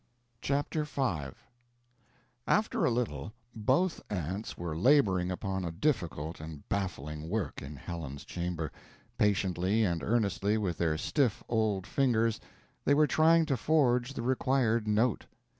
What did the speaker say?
CHAPTER V After a little, both aunts were laboring upon a difficult and baffling work in Helen's chamber. Patiently and earnestly, with their stiff old fingers, they were trying to forge the required note.